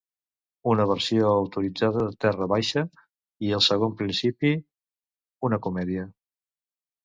Una versió actualitzada de "Terra baixa" i "El segon principi", una comèdia.